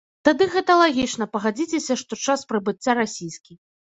Тады гэта лагічна, пагадзіцеся, што час прыбыцця расійскі.